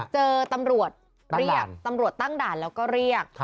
เจอตำรวจเรียกตำรวจตั้งด่านแล้วก็เรียก